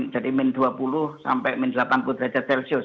dari min dua puluh sampai min delapan puluh derajat celcius